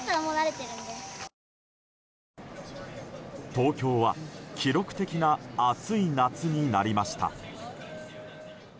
東京は記録的な暑い夏になりました。